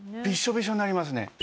ビッショビショになりますね。